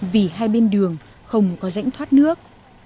vì hai bên đường không có rãnh thoát nước